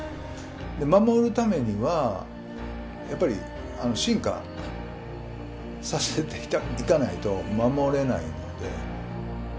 守るためには、やっぱり進化させていかないと守れないので。